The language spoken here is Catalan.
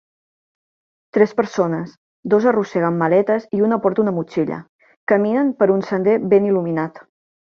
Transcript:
Tres persones, dos arrosseguen maletes i una porta una motxilla, caminen per un sender ben il·luminat